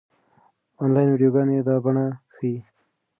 انلاين ويډيوګانې دا بڼه ښيي.